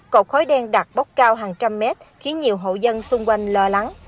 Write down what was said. cột khối đen đặc bốc cao hàng trăm mét khiến nhiều hộ dân xung quanh lo lắng